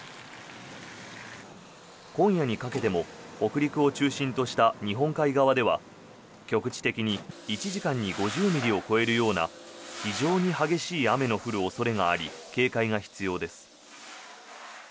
今夜にかけても北陸を中心とした日本海側では局地的に１時間に５０ミリを超えるような非常に激しい雨の降る恐れがあり警戒が必要です。